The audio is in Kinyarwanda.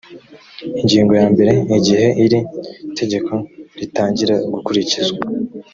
ingingo ya mbere igihe iri tegeko ritangira gukurikizwa